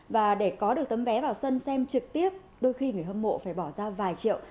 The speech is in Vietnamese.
và để có được tấm vé vào sân xem trực tiếp đôi khi người hâm mộ phải bỏ ra vài triệu